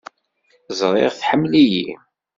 Ẓriɣ tḥemmlem-iyi.